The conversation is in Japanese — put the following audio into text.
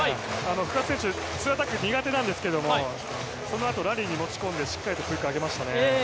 深津選手、ツーアタック苦手なんですけどそのあとラリーに持ち込んで、しっかりとクイックを上げましたね。